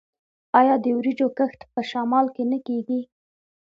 آیا د وریجو کښت په شمال کې نه کیږي؟